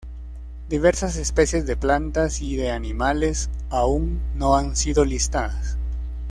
Diversas especies de plantas y de animales, aún no han sido listadas.